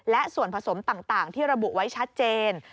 และส่วนผสมต่างที่ระบุไว้ชัดเจน